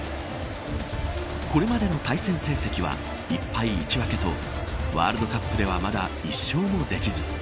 これまでの対戦成績は１敗１分けとワールドカップではまだ１勝もできず。